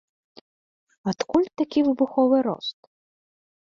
Адкуль такі выбуховы рост?